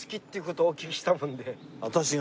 私が？